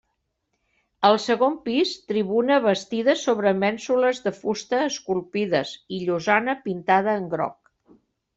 Al segon pis tribuna bastida sobre mènsules de fusta esculpides i llosana pintada en groc.